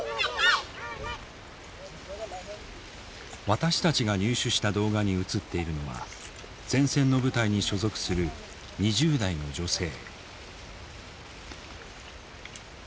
私たちが入手した動画に映っているのは前線の部隊に所属する２０代の女性。